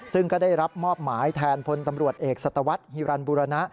ซึ่งก็ได้รับมอบหมายแทนพลตำรวจเอกสัตวรรษฮิรันบุรณะ